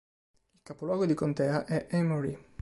Il capoluogo di contea è Emory.